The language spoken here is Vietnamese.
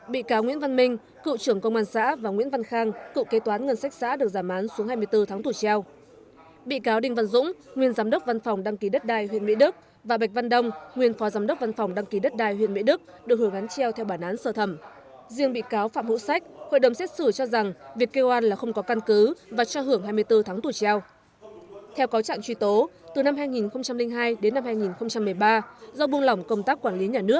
bị cáo nguyễn văn minh cựu trưởng công an xã và nguyễn văn khang cựu kế toán ngân sách xã được giảm án xuống hai mươi bốn tháng tù treo